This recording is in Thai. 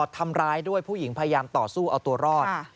ทำร้ายด้วยผู้หญิงพยายามต่อสู้เอาตัวรอด